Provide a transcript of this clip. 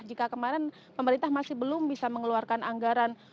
jika kemarin pemerintah masih belum bisa mengeluarkan anggaran